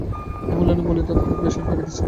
হেমনলিনী বলিত, হাত বেসুরায় পাকিতেছে।